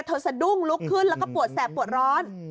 สะดุ้งลุกขึ้นแล้วก็ปวดแสบปวดร้อน